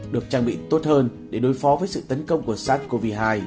được trang bị tốt hơn để đối phó với sự tấn công của sars cov hai